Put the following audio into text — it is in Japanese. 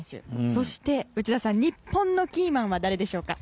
そして、内田さん日本のキーマンは誰でしょうか。